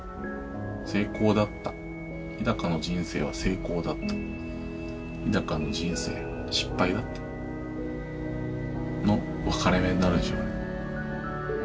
成功だった日の人生は成功だった日の人生は失敗だったの分かれ目になるでしょうね。